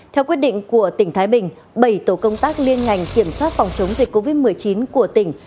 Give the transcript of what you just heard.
theo quyết định của tỉnh thái bình bảy tổ công tác liên ngành kiểm soát phòng chống dịch covid một mươi chín của tỉnh